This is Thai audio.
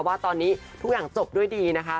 ว่าตอนนี้ทุกอย่างจบด้วยดีนะคะ